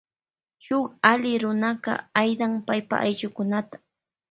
Shuk alli runa aida paipa ayllukunata.